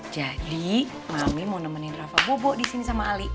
jadi mami mau nemenin rafa bobo disini sama ali